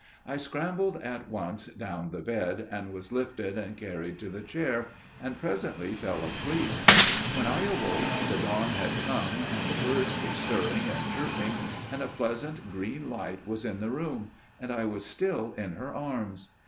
I scrambled at once down the bed, and was lifted and carried to the chair, and presently fell asleep. When I awoke the dawn had come, and the birds were stirring and chirping, and a pleasant green light was in the room; and I was still in her arms.